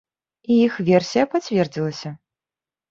І іх версія пацвердзілася.